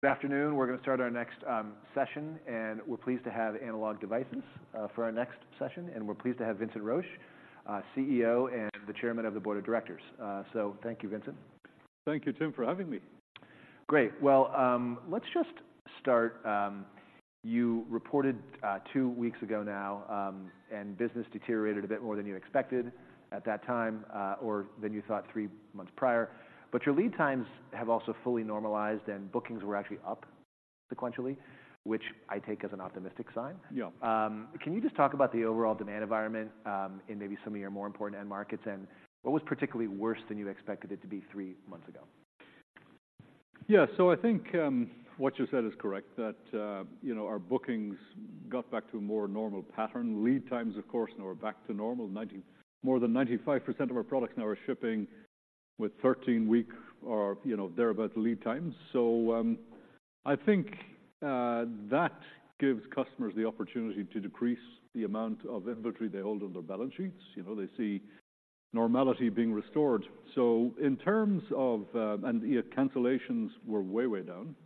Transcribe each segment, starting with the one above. Good afternoon. We're gonna start our next session, and we're pleased to have Analog Devices for our next session. We're pleased to have Vincent Roche, CEO, and the Chairman of the Board of Directors. Thank you, Vincent. Thank you, Tim, for having me. Great! Well, let's just start, you reported two weeks ago now, and business deteriorated a bit more than you expected at that time, or than you thought three months prior. But your lead times have also fully normalized, and bookings were actually up sequentially, which I take as an optimistic sign. Yeah. Can you just talk about the overall demand environment, in maybe some of your more important end markets, and what was particularly worse than you expected it to be three months ago? Yeah. So I think, what you said is correct, that, you know, our bookings got back to a more normal pattern. Lead times, of course, now are back to normal. More than 95% of our products now are shipping with 13-week or, you know, thereabout lead times. So, I think, that gives customers the opportunity to decrease the amount of inventory they hold on their balance sheets. You know, they see normality being restored. So in terms of... And, yeah, cancellations were way, way down.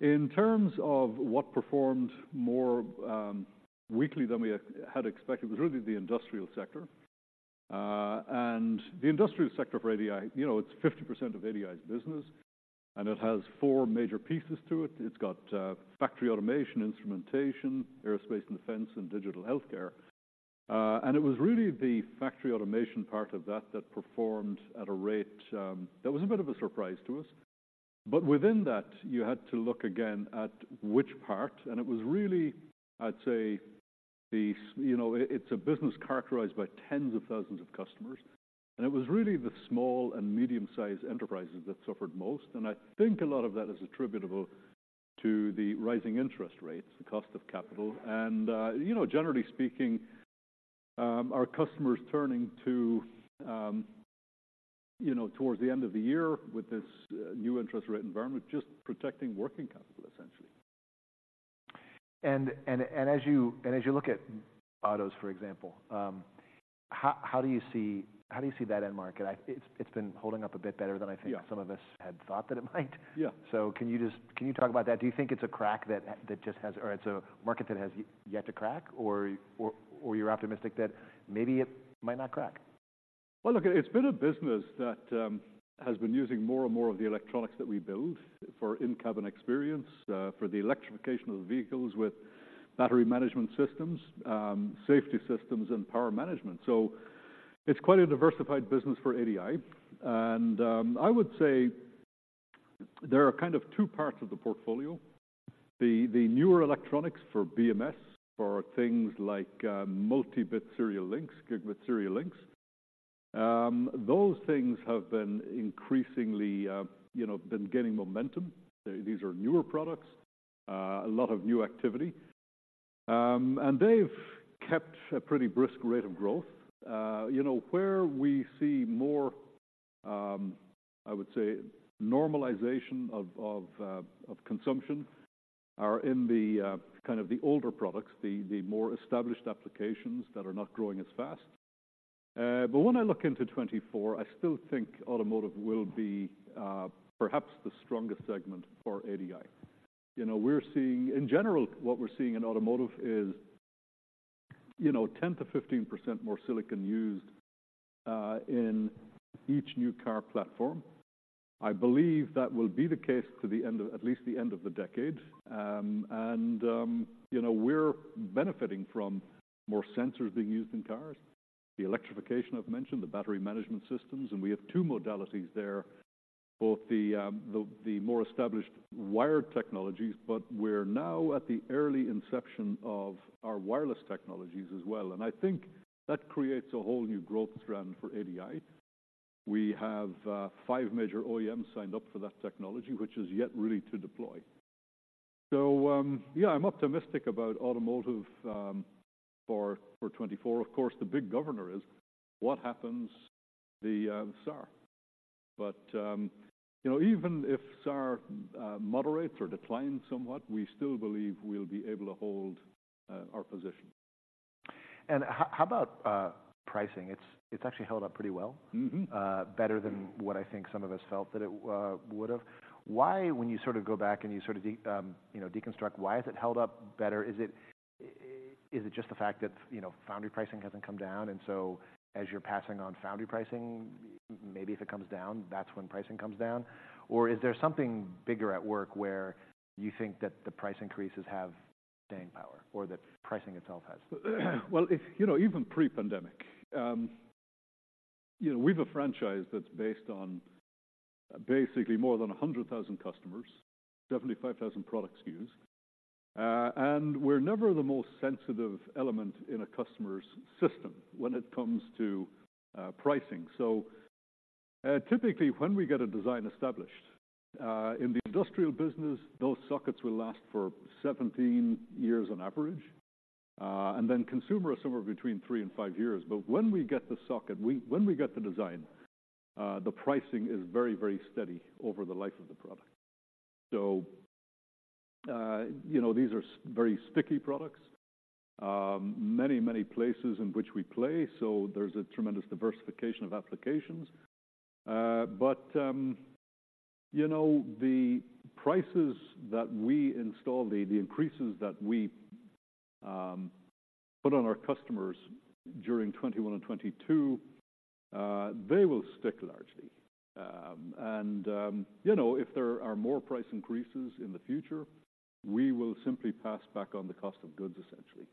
In terms of what performed more, weakly than we had expected, it was really the industrial sector. And the industrial sector for ADI, you know, it's 50% of ADI's business, and it has four major pieces to it. It's got, factory automation, instrumentation, aerospace and defense, and digital healthcare. And it was really the factory automation part of that that performed at a rate that was a bit of a surprise to us. But within that, you had to look again at which part, and it was really, I'd say, you know, it's a business characterized by tens of thousands of customers, and it was really the small and medium-sized enterprises that suffered most. And I think a lot of that is attributable to the rising interest rates, the cost of capital, and, you know, generally speaking, our customers turning to, you know, towards the end of the year with this new interest rate environment, just protecting working capital, essentially. As you look at autos, for example, how do you see that end market? It's been holding up a bit better than I think- Yeah... some of us had thought that it might. Yeah. So can you talk about that? Do you think it's a crack that just has... Or it's a market that has yet to crack, or you're optimistic that maybe it might not crack? Well, look, it's been a business that has been using more and more of the electronics that we build for in-cabin experience, for the electrification of the vehicles with battery management systems, safety systems, and power management. So it's quite a diversified business for ADI. And I would say there are kind of two parts of the portfolio. The newer electronics for BMS, for things like multi-bit serial links, gigabit serial links. Those things have been increasingly, you know, been gaining momentum. These are newer products, a lot of new activity. And they've kept a pretty brisk rate of growth. You know, where we see more, I would say, normalization of consumption are in the kind of the older products, the more established applications that are not growing as fast. But when I look into 2024, I still think automotive will be perhaps the strongest segment for ADI. You know, we're seeing. In general, what we're seeing in automotive is, you know, 10%-15% more silicon used in each new car platform. I believe that will be the case to the end of at least the end of the decade. And, you know, we're benefiting from more sensors being used in cars. The electrification, I've mentioned, the battery management systems, and we have two modalities there, both the more established wired technologies, but we're now at the early inception of our wireless technologies as well, and I think that creates a whole new growth strand for ADI. We have five major OEMs signed up for that technology, which is yet really to deploy. So, yeah, I'm optimistic about automotive for 2024. Of course, the big governor is what happens to the SAAR. But, you know, even if SAAR moderates or declines somewhat, we still believe we'll be able to hold our position. How about pricing? It's actually held up pretty well. Mm-hmm. Better than what I think some of us felt that it would have. Why, when you sort of go back and you sort of you know, deconstruct, why has it held up better? Is it, is it just the fact that, you know, foundry pricing hasn't come down, and so as you're passing on foundry pricing, maybe if it comes down, that's when pricing comes down? Or is there something bigger at work where you think that the price increases have staying power or that pricing itself has? Well, you know, even pre-pandemic, you know, we've a franchise that's based on basically more than 100,000 customers, 75,000 products SKUs, and we're never the most sensitive element in a customer's system when it comes to pricing. So, typically, when we get a design established in the industrial business, those sockets will last for 17 years on average. And then consumer is somewhere between three and five years. But when we get the socket, when we get the design, the pricing is very, very steady over the life of the product. So, you know, these are very sticky products. Many, many places in which we play, so there's a tremendous diversification of applications. you know, the prices that we install, the, the increases that we put on our customers during 2021 and 2022, they will stick largely. you know, if there are more price increases in the future, we will simply pass back on the cost of goods, essentially.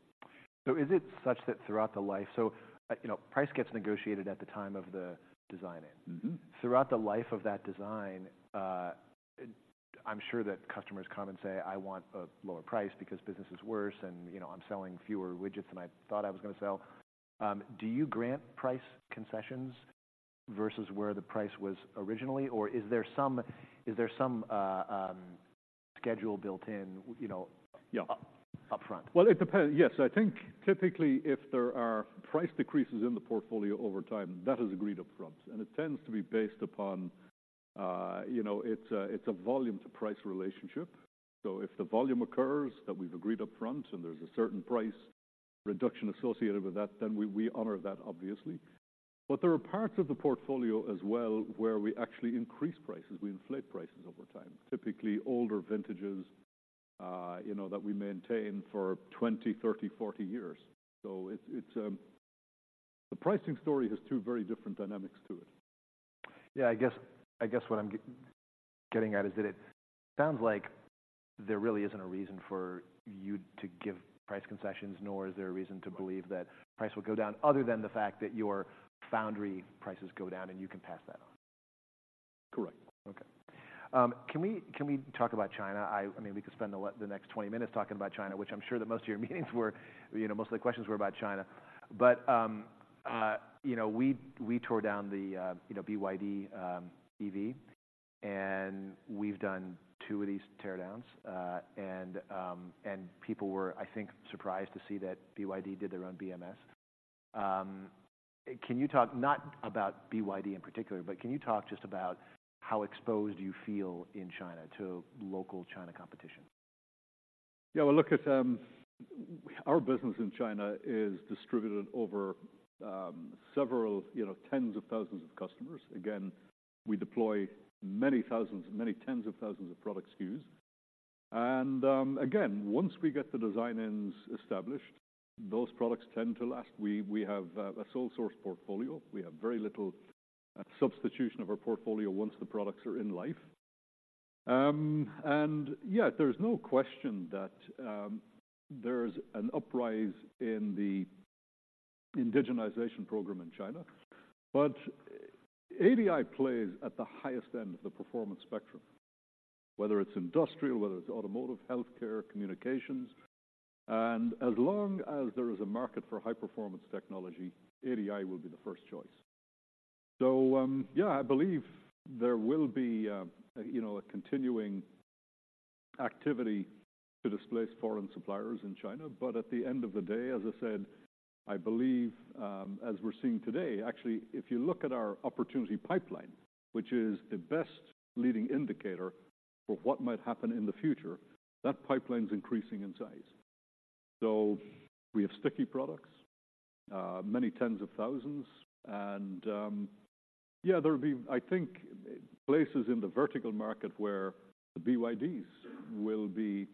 You know, price gets negotiated at the time of the design-in. Mm-hmm. Throughout the life of that design, I'm sure that customers come and say, "I want a lower price because business is worse, and, you know, I'm selling fewer widgets than I thought I was gonna sell." Do you grant price concessions versus where the price was originally? Or is there some schedule built in, you know- Yeah... up front? Well, it depends. Yes. I think typically, if there are price decreases in the portfolio over time, that is agreed upfront. It tends to be based upon, you know, it's a, it's a volume-to-price relationship. So if the volume occurs that we've agreed upfront and there's a certain price reduction associated with that, then we, we honor that, obviously. But there are parts of the portfolio as well, where we actually increase prices. We inflate prices over time, typically older vintages, you know, that we maintain for 20 years, 30 years, 40 years. So it's, it's... The pricing story has two very different dynamics to it. Yeah, I guess, I guess what I'm getting at is that it sounds like there really isn't a reason for you to give price concessions, nor is there a reason to believe that price will go down, other than the fact that your foundry prices go down and you can pass that on? Correct. Okay. Can we talk about China? I mean, we could spend the next 20 minutes talking about China, which I'm sure that most of your meetings were, you know, most of the questions were about China. But, you know, we tore down the BYD EV, and we've done two of these teardowns. And people were, I think, surprised to see that BYD did their own BMS. Can you talk, not about BYD in particular, but can you talk just about how exposed you feel in China to local China competition? Yeah, well, look at our business in China is distributed over several, you know, tens of thousands of customers. Again, we deploy many thousands, many tens of thousands of product SKUs. And again, once we get the design-ins established, those products tend to last. We have a sole source portfolio. We have very little substitution of our portfolio once the products are in life. And yeah, there's no question that there's an uprise in the indigenization program in China. But ADI plays at the highest end of the performance spectrum, whether it's industrial, whether it's automotive, healthcare, communications. And as long as there is a market for high-performance technology, ADI will be the first choice. So, yeah, I believe there will be, you know, a continuing activity to displace foreign suppliers in China. But at the end of the day, as I said, I believe, as we're seeing today, actually, if you look at our opportunity pipeline, which is the best leading indicator for what might happen in the future, that pipeline is increasing in size. So we have sticky products, many tens of thousands. And, yeah, there will be, I think, places in the vertical market where the BYDs will be,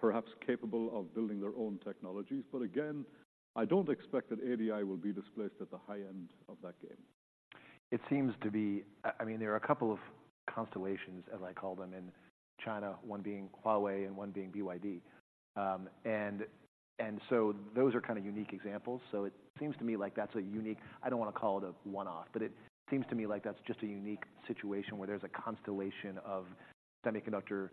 perhaps capable of building their own technologies. But again, I don't expect that ADI will be displaced at the high end of that game. It seems to be... I mean, there are a couple of constellations, as I call them, in China, one being Huawei and one being BYD. And so those are kind of unique examples. So it seems to me like that's a unique, I don't wanna call it a one-off, but it seems to me like that's just a unique situation where there's a constellation of semiconductor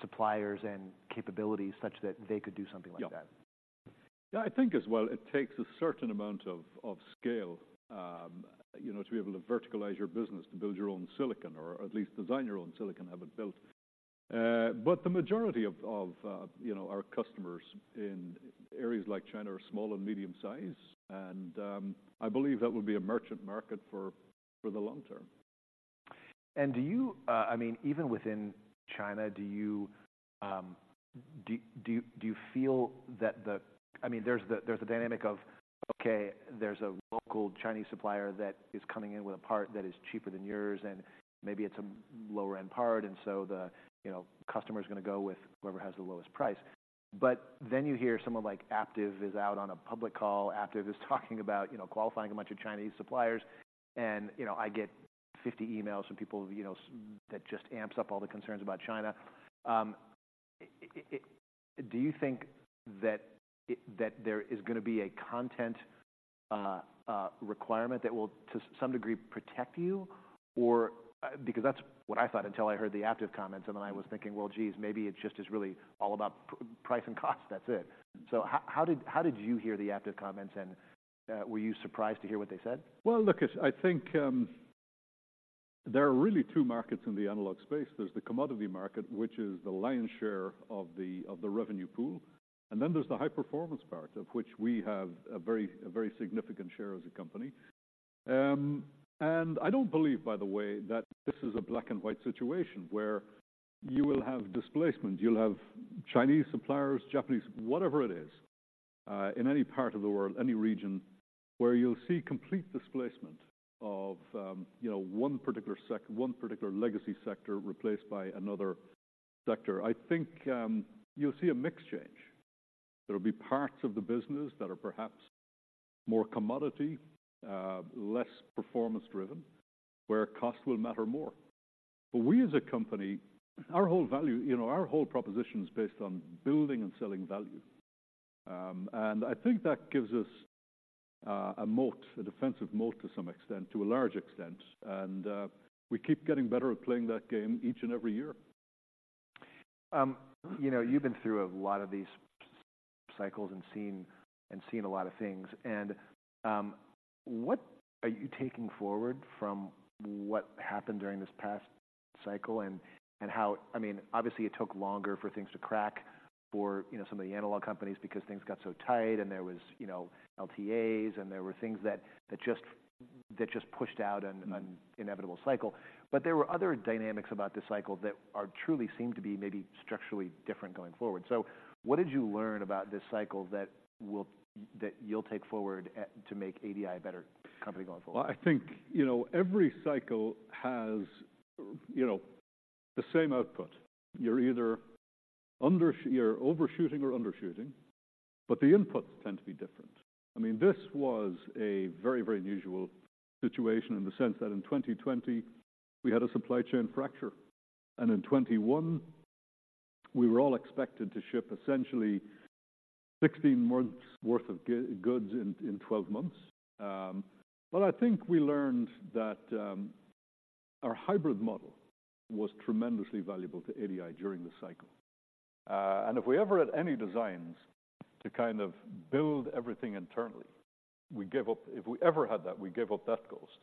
suppliers and capabilities such that they could do something like that. Yeah. Yeah, I think as well, it takes a certain amount of scale, you know, to be able to verticalize your business, to build your own silicon, or at least design your own silicon, have it built. But the majority of you know, our customers in areas like China are small and medium size, and I believe that will be a merchant market for the long term. And do you, I mean, even within China, do you feel that I mean, there's the dynamic of, okay, there's a local Chinese supplier that is coming in with a part that is cheaper than yours, and maybe it's a lower-end part, and so the, you know, customer is gonna go with whoever has the lowest price. But then you hear someone like Aptiv is out on a public call. Aptiv is talking about, you know, qualifying a bunch of Chinese suppliers, and, you know, I get 50 emails from people, you know, that just amps up all the concerns about China. Do you think that it, that there is gonna be a content requirement that will to some degree, protect you? Or, because that's what I thought until I heard the Aptiv comments, and then I was thinking: Well, geez, maybe it just is really all about price and cost, that's it. So how did you hear the Aptiv comments, and were you surprised to hear what they said? Well, look, I think, there are really two markets in the analog space. There's the commodity market, which is the lion's share of the revenue pool, and then there's the high-performance part, of which we have a very, a very significant share as a company. And I don't believe, by the way, that this is a black-and-white situation where you will have displacement, you'll have Chinese suppliers, Japanese, whatever it is, in any part of the world, any region, where you'll see complete displacement of, you know, one particular legacy sector replaced by another sector. I think, you'll see a mix change. There will be parts of the business that are perhaps more commodity, less performance-driven, where cost will matter more. We, as a company, our whole value, you know, our whole proposition is based on building and selling value. I think that gives us a moat, a defensive moat, to some extent, to a large extent, and we keep getting better at playing that game each and every year. You know, you've been through a lot of these cycles and seen a lot of things. And what are you taking forward from what happened during this past cycle and how—I mean, obviously it took longer for things to crack for, you know, some of the analog companies because things got so tight and there was, you know, LTAs, and there were things that just pushed out an inevitable cycle. But there were other dynamics about this cycle that are truly seem to be maybe structurally different going forward. So what did you learn about this cycle that you'll take forward at, to make ADI a better company going forward? Well, I think, you know, every cycle has, you know, the same output. You're either overshooting or undershooting, but the inputs tend to be different. I mean, this was a very, very unusual situation in the sense that in 2020, we had a supply chain fracture, and in 2021, we were all expected to ship essentially 16 months' worth of goods in 12 months. But I think we learned that our hybrid model was tremendously valuable to ADI during the cycle. And if we ever had any designs to kind of build everything internally, we gave up. If we ever had that, we gave up that ghost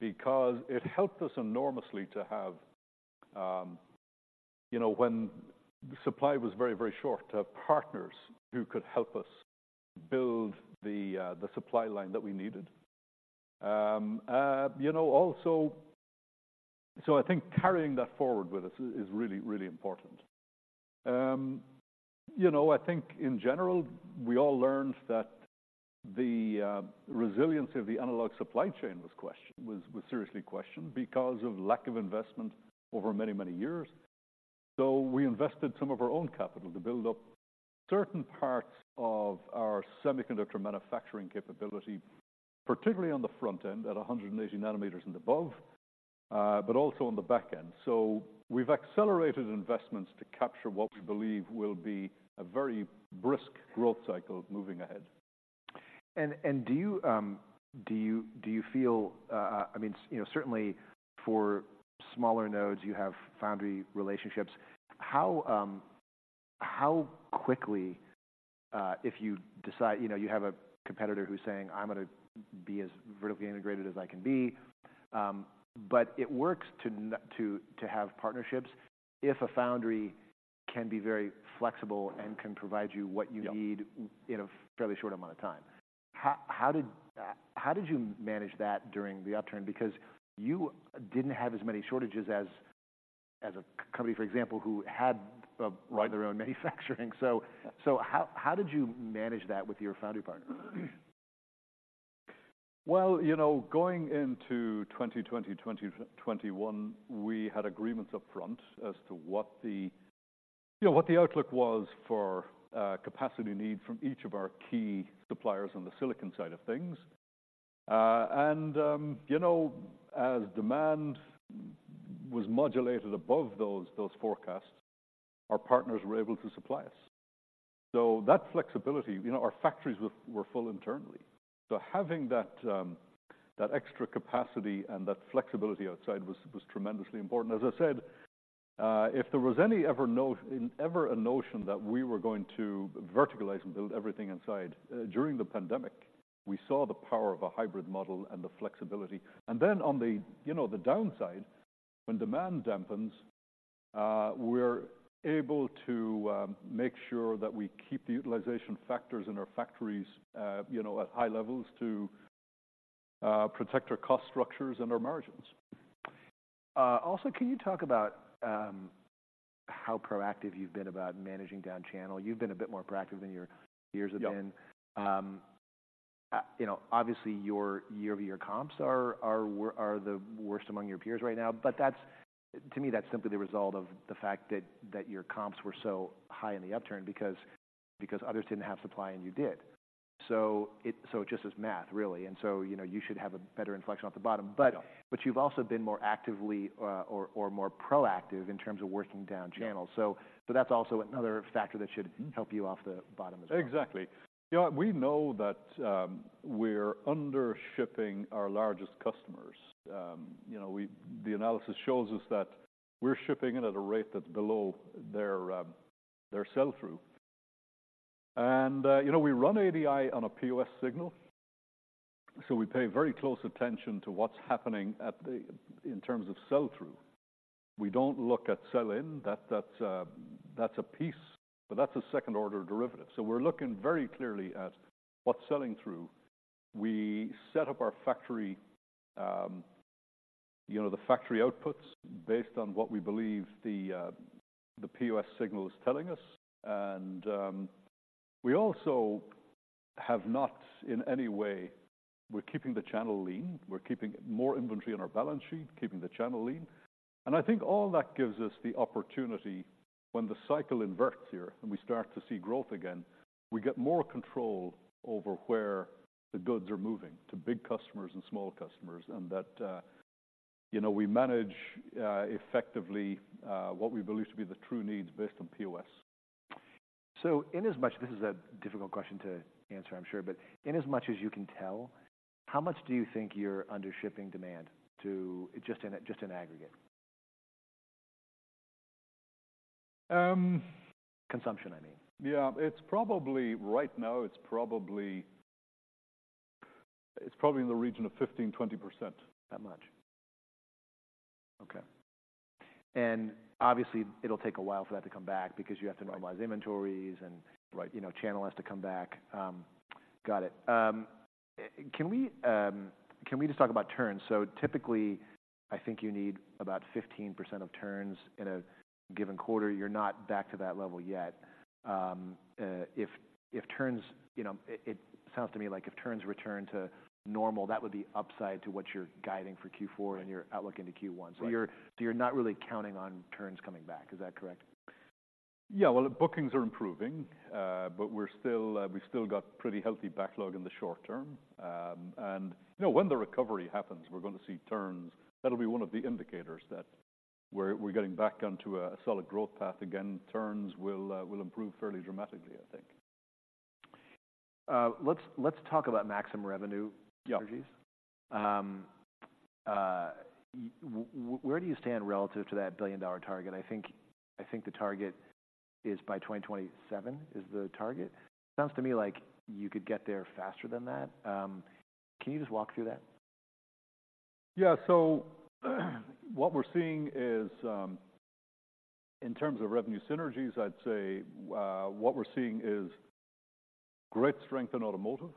because it helped us enormously to have, you know, when supply was very, very short, to have partners who could help us build the supply line that we needed. You know, also. So I think carrying that forward with us is really, really important. You know, I think in general, we all learned that the resilience of the analog supply chain was seriously questioned because of lack of investment over many, many years. So we invested some of our own capital to build up certain parts of our semiconductor manufacturing capability, particularly on the front end, at 180 nanometers and above, but also on the back end. So we've accelerated investments to capture what we believe will be a very brisk growth cycle moving ahead. And do you feel, I mean, you know, certainly for smaller nodes, you have foundry relationships. How quickly, if you decide - you know, you have a competitor who's saying, "I'm gonna be as vertically integrated as I can be." But it works to have partnerships if a foundry can be very flexible and can provide you what you need- Yeah... in a fairly short amount of time. How did you manage that during the upturn? Because you didn't have as many shortages as a company, for example, who had their own manufacturing. So how did you manage that with your foundry partner? Well, you know, going into 2020, 2021, we had agreements up front as to what the, you know, what the outlook was for, capacity need from each of our key suppliers on the silicon side of things. And, you know, as demand was modulated above those forecasts, our partners were able to supply us. So that flexibility, you know, our factories were full internally. So having that, that extra capacity and that flexibility outside was tremendously important. As I said, if there was any, ever a notion that we were going to verticalize and build everything inside, during the pandemic, we saw the power of a hybrid model and the flexibility. And then on the, you know, the downside, when demand dampens, we're able to make sure that we keep the utilization factors in our factories, you know, at high levels to protect our cost structures and our margins. Also, can you talk about how proactive you've been about managing down channel? You've been a bit more proactive than your peers have been. Yeah. You know, obviously, your year-over-year comps are the worst among your peers right now. But that's, to me, that's simply the result of the fact that your comps were so high in the upturn because others didn't have supply, and you did. So it just is math, really, and so, you know, you should have a better inflection off the bottom. Yeah. But, you've also been more actively, or more proactive in terms of working down channel. Yeah. So, that's also another factor that should help you off the bottom as well. Exactly. Yeah, we know that, we're under shipping our largest customers. You know, the analysis shows us that we're shipping it at a rate that's below their, their sell-through. And, you know, we run ADI on a POS signal, so we pay very close attention to what's happening at the, in terms of sell-through. We don't look at sell-in. That, that's a piece, but that's a second-order derivative. So we're looking very clearly at what's selling through. We set up our factory, you know, the factory outputs based on what we believe the, the POS signal is telling us. And, we also have not in any way. We're keeping the channel lean. We're keeping more inventory on our balance sheet, keeping the channel lean. I think all that gives us the opportunity, when the cycle inverts here, and we start to see growth again, we get more control over where the goods are moving, to big customers and small customers, and that, you know, we manage effectively, what we believe to be the true needs based on POS. This is a difficult question to answer, I'm sure, but in as much as you can tell, how much do you think you're under shipping demand to—just in aggregate? Um- Consumption, I mean. Yeah, it's probably right now in the region of 15%-20%. That much? Okay. Obviously, it'll take a while for that to come back because you have to normalize inventories- Right. and, you know, channel has to come back. Got it. Can we just talk about turns? So typically, I think you need about 15% of turns in a given quarter. You're not back to that level yet. If turns, you know, it sounds to me like if turns return to normal, that would be upside to what you're guiding for Q4 and your outlook into Q1. Right. So you're not really counting on turns coming back. Is that correct? Yeah. Well, the bookings are improving, but we're still, we've still got pretty healthy backlog in the short term. You know, when the recovery happens, we're going to see turns. That'll be one of the indicators that we're getting back onto a solid growth path again. Turns will improve fairly dramatically, I think. Let's talk about maximum revenue synergies. Yeah. Where do you stand relative to that billion-dollar target? I think, I think the target is by 2027, is the target. Sounds to me like you could get there faster than that. Can you just walk through that? Yeah. So, what we're seeing is, in terms of revenue synergies, I'd say, what we're seeing is great strength in automotive.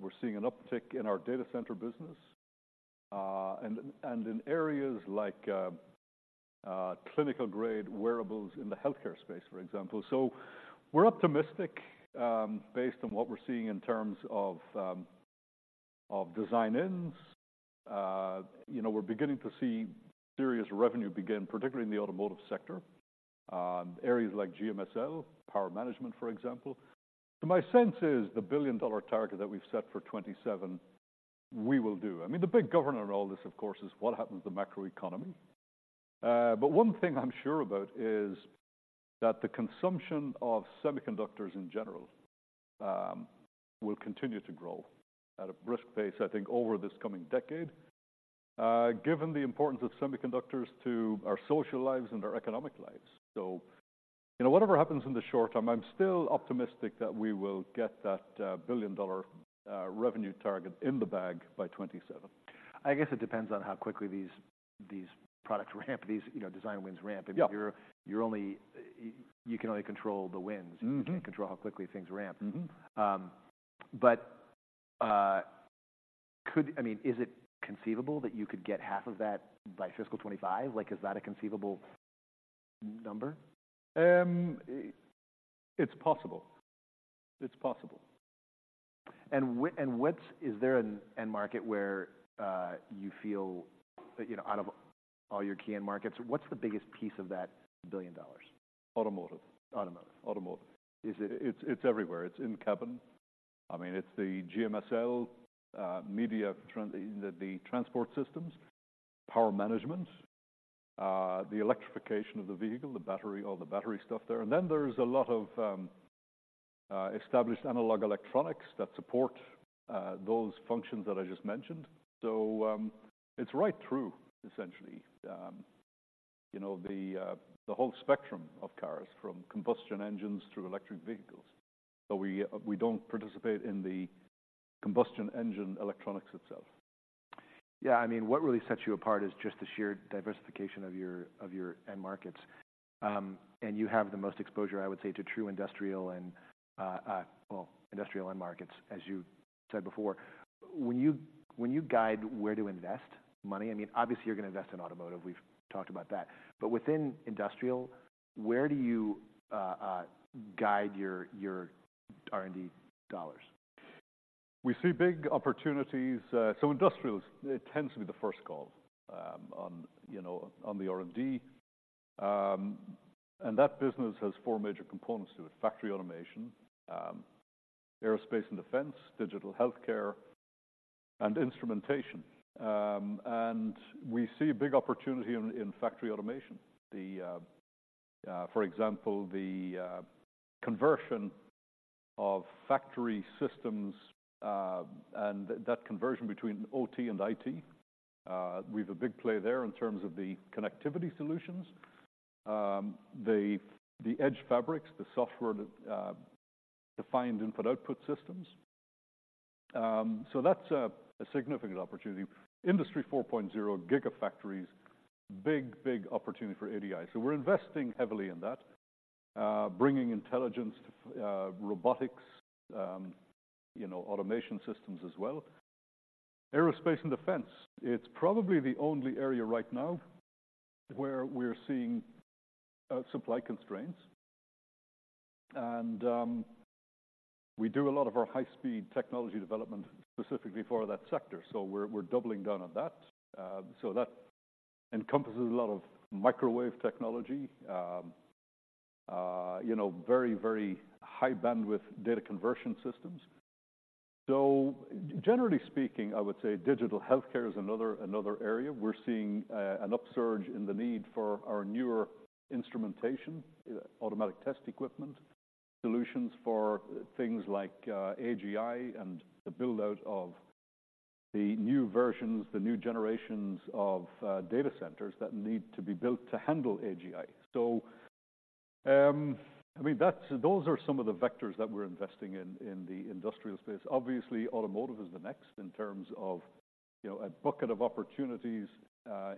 We're seeing an uptick in our data center business, and in areas like, clinical-grade wearables in the healthcare space, for example. So we're optimistic, based on what we're seeing in terms of, of design-ins. You know, we're beginning to see serious revenue begin, particularly in the automotive sector, areas like GMSL, power management, for example. So my sense is, the billion-dollar target that we've set for 2027, we will do. I mean, the big governor in all this, of course, is what happens to the macroeconomy. But one thing I'm sure about is that the consumption of semiconductors in general will continue to grow at a brisk pace, I think, over this coming decade, given the importance of semiconductors to our social lives and our economic lives. So, you know, whatever happens in the short term, I'm still optimistic that we will get that billion-dollar revenue target in the bag by 2027. I guess it depends on how quickly these product ramp, you know, design wins ramp. Yeah. You can only control the wins. Mm-hmm. You can't control how quickly things ramp. Mm-hmm. I mean, is it conceivable that you could get half of that by fiscal 2025? Like, is that a conceivable number? It's possible. It's possible. And what's... Is there an end market where you feel, you know, out of all your key end markets, what's the biggest piece of that $1 billion? Automotive. Automotive? Automotive. It's everywhere. It's in cabin. I mean, it's the GMSL, the transport systems, power management, the electrification of the vehicle, the battery, all the battery stuff there. And then there's a lot of established analog electronics that support those functions that I just mentioned. So, it's right through, essentially, you know, the whole spectrum of cars, from combustion engines through electric vehicles. But we don't participate in the combustion engine electronics itself. Yeah, I mean, what really sets you apart is just the sheer diversification of your end markets. And you have the most exposure, I would say, to true industrial and, well, industrial end markets, as you said before. When you guide where to invest money, I mean, obviously, you're gonna invest in automotive. We've talked about that. But within industrial, where do you guide your R&D dollars? We see big opportunities. So industrial, it tends to be the first call on, you know, on the R&D. And that business has four major components to it: factory automation, aerospace and defense, digital healthcare, and instrumentation. And we see a big opportunity in factory automation. For example, the conversion of factory systems and that conversion between OT and IT. We've a big play there in terms of the connectivity solutions, the edge fabrics, the software defined input/output systems. So that's a significant opportunity. Industry 4.0, gigafactories, big, big opportunity for ADI. So we're investing heavily in that, bringing intelligence, robotics, you know, automation systems as well. Aerospace and defense, it's probably the only area right now where we're seeing supply constraints. We do a lot of our high-speed technology development specifically for that sector, so we're doubling down on that. So that encompasses a lot of microwave technology, you know, very, very high bandwidth data conversion systems. So generally speaking, I would say digital healthcare is another, another area. We're seeing an upsurge in the need for our newer instrumentation, automatic test equipment, solutions for things like AGI and the build-out of the new versions, the new generations of data centers that need to be built to handle AGI. So, I mean, that's, those are some of the vectors that we're investing in, in the industrial space. Obviously, automotive is the next in terms of, you know, a bucket of opportunities,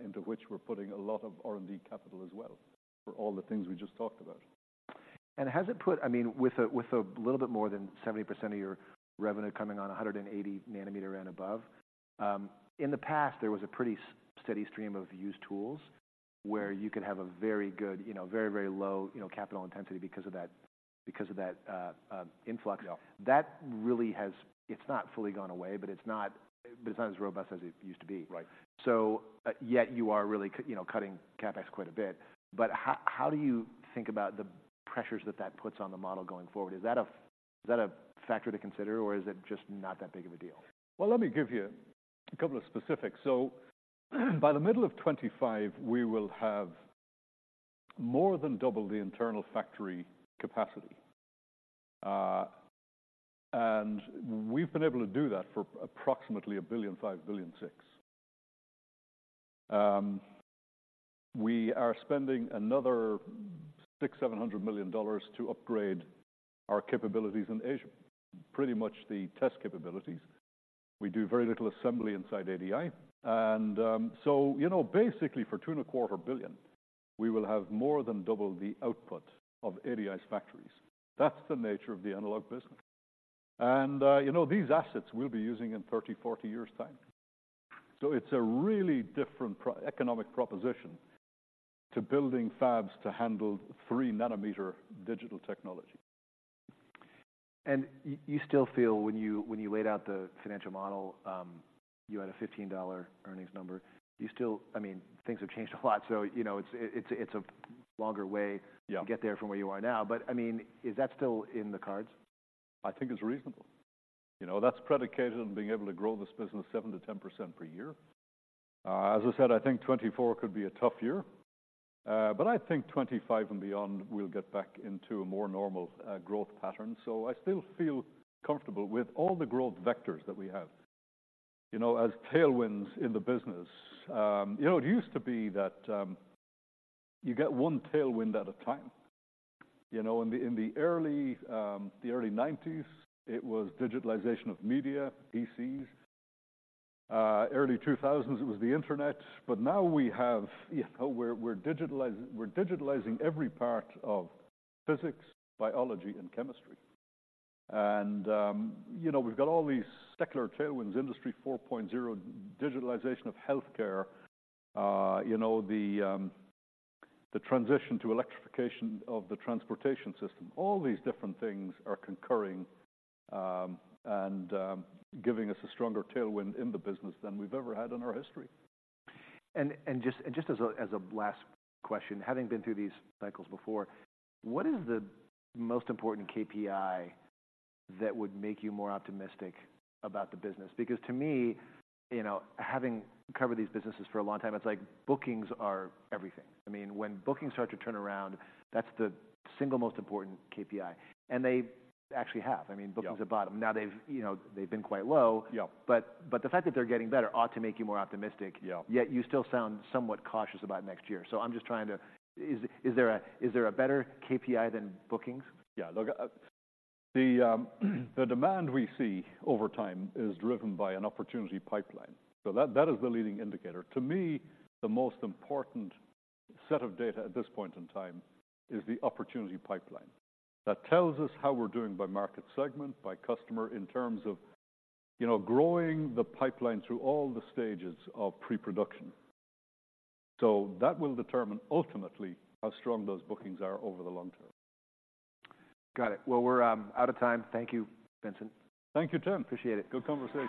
into which we're putting a lot of R&D capital as well, for all the things we just talked about. Has it put... I mean, with a little bit more than 70% of your revenue coming on a 180 nanometer and above, in the past, there was a pretty steady stream of used tools where you could have a very good, you know, very, very low, you know, capital intensity because of that, because of that, influx. Yeah. That really has. It's not fully gone away, but it's not as robust as it used to be. Right. So, yet you are really cutting CapEx quite a bit. But how, how do you think about the pressures that that puts on the model going forward? Is that a, is that a factor to consider, or is it just not that big of a deal? Well, let me give you a couple of specifics. So by the middle of 2025, we will have more than double the internal factory capacity. And we've been able to do that for approximately $1.5 billion-$1.6 billion. We are spending another $600 million-$700 million to upgrade our capabilities in Asia, pretty much the test capabilities. We do very little assembly inside ADI. And, so, you know, basically, for $2.25 billion, we will have more than double the output of ADI's factories. That's the nature of the analog business. And, you know, these assets we'll be using in 30 years-40 years' time. So it's a really different economic proposition to building fabs to handle 3-nanometer digital technology. You still feel, when you, when you laid out the financial model, you had a $15 earnings number. Do you still... I mean, things have changed a lot, so, you know, it's, it's a, it's a longer way- Yeah To get there from where you are now. But, I mean, is that still in the cards? I think it's reasonable. You know, that's predicated on being able to grow this business 7%-10% per year. As I said, I think 2024 could be a tough year, but I think 2025 and beyond, we'll get back into a more normal growth pattern. So I still feel comfortable with all the growth vectors that we have, you know, as tailwinds in the business. You know, it used to be that you get one tailwind at a time. You know, in the early 1990s, it was digitalization of media, PCs. Early 2000s, it was the internet. But now we have... You know, we're digitalizing every part of physics, biology, and chemistry. You know, we've got all these secular tailwinds, Industry 4.0, digitalization of healthcare, you know, the transition to electrification of the transportation system. All these different things are concurring and giving us a stronger tailwind in the business than we've ever had in our history. And just as a last question, having been through these cycles before, what is the most important KPI that would make you more optimistic about the business? Because to me, you know, having covered these businesses for a long time, it's like bookings are everything. I mean, when bookings start to turn around, that's the single most important KPI, and they actually have. Yeah. I mean, bookings are bottom. Now, they've, you know, they've been quite low- Yeah. But the fact that they're getting better ought to make you more optimistic. Yeah. Yet you still sound somewhat cautious about next year. So I'm just trying to... Is there a better KPI than bookings? Yeah. Look, the demand we see over time is driven by an opportunity pipeline. So that is the leading indicator. To me, the most important set of data at this point in time is the opportunity pipeline. That tells us how we're doing by market segment, by customer, in terms of, you know, growing the pipeline through all the stages of pre-production. So that will determine ultimately how strong those bookings are over the long term. Got it. Well, we're out of time. Thank you, Vincent. Thank you, Tim. Appreciate it. Good conversation.